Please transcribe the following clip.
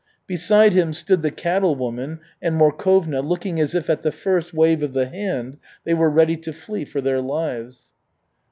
Beside him stood the cattle woman and Morkovna looking as if at the first wave of the hand they were ready to flee for their lives.